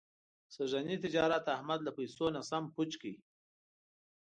سږني تجارت احمد له پیسو نه سم پوچ کړ.